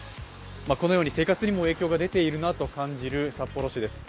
このように生活にも影響が出ているなという感じる札幌市です。